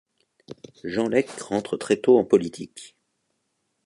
Jean Lèques rentre très tôt en politique.